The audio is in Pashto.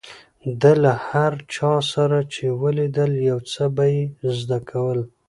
ده له هر چا سره چې ولیدل، يو څه به يې زده کول.